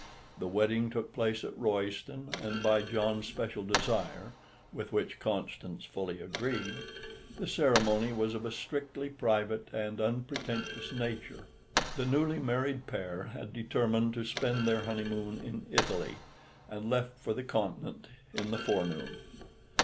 The wedding took place at Royston, and by John's special desire (with which Constance fully agreed) the ceremony was of a strictly private and unpretentious nature. The newly married pair had determined to spend their honeymoon in Italy, and left for the Continent in the forenoon.